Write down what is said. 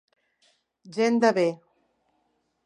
Gent de bé.